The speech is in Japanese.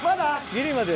ギリまで。